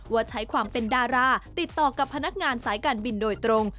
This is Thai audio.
ว่าใช้ความเป็นดาราติดต่อกับพนักงานสายการบินโดยตรง